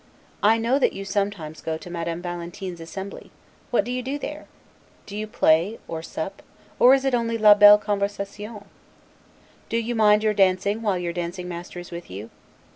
I know that you go sometimes to Madame Valentin's assembly; What do you do there? Do you play, or sup, or is it only 'la belle conversation?' Do you mind your dancing while your dancing master is with you?